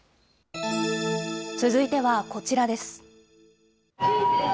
続いてはこちらです。